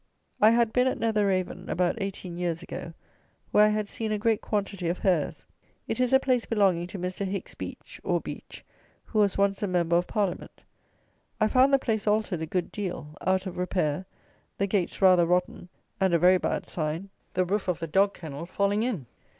I had been at Netheravon about eighteen years ago, where I had seen a great quantity of hares. It is a place belonging to Mr. Hicks Beach, or Beech, who was once a member of parliament. I found the place altered a good deal; out of repair; the gates rather rotten; and (a very bad sign!) the roof of the dog kennel falling in!